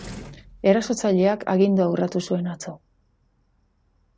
Erasotzaileak agindua urratu zuen atzo.